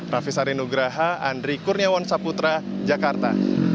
raffi sari nugraha andri kurniawan saputra jakarta